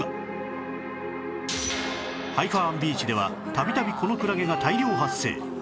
ハイファ湾ビーチではたびたびこのクラゲが大量発生